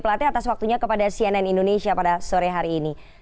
pelate atas waktunya kepada cnn indonesia pada sore hari ini